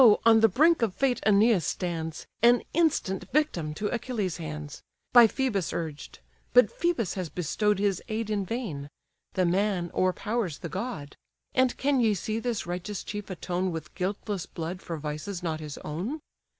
on the brink of fate Æneas stands, An instant victim to Achilles' hands; By Phœbus urged; but Phœbus has bestow'd His aid in vain: the man o'erpowers the god. And can ye see this righteous chief atone With guiltless blood for vices not his own?